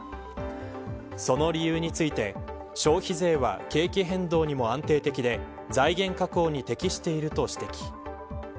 その理由について消費税は景気変動にも安定的で財源確保に適していると指摘。